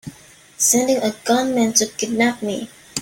Sending a gunman to kidnap me!